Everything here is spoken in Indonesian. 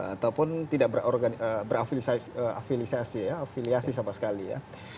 ataupun tidak berafiliasi sama sekali ya